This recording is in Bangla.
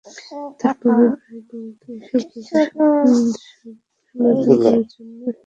তোর বাবা প্রায়ই বলতো এসব কিছু সমাধান করার জন্য সিংহ ছুটে আসবে।